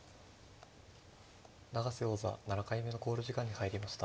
永瀬王座７回目の考慮時間に入りました。